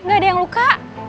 gak ada yang luka